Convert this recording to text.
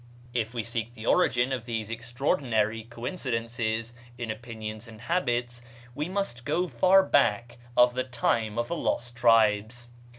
If we seek the origin of these extraordinary coincidences in opinions and habits, we must go far back to the time of the lost tribes.